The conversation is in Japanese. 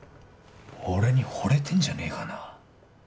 俺にホレてんじゃねえかな？